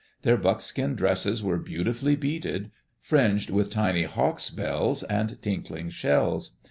Their buckskin dresses were beautifully beaded, fringed with tiny hawk's bells and tinkling shells.